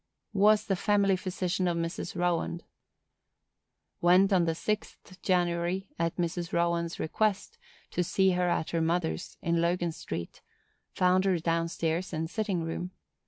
Was the family physician of Mrs. Rowand. Went on the 6th January, at Mrs. Rowand's request, to see her at her mother's, in Logan street; found her down stairs, in sitting room.